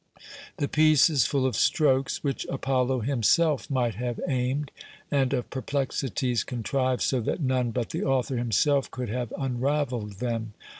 The piece is full of strokes which Apollo himself might have aimed, and of perplexities contrived so that none but the author himself could have unravelled them.